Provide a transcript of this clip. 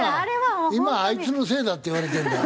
今は「あいつのせいだ」って言われてるんだよ。